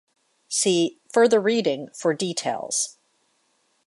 See "Further reading" for details.